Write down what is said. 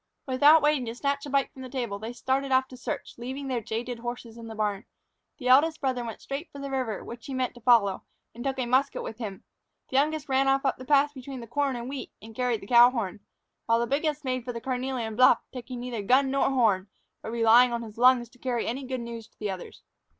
Without waiting to snatch a bite from the table, they started off to search, leaving their jaded horses in the barn. The eldest brother went straight for the river, which he meant to follow, and took a musket with him; the youngest ran off up the path between the corn and the wheat, and carried the cow horn; while the biggest made for the carnelian bluff, taking neither gun nor horn, but relying on his lungs to carry any good news to the others.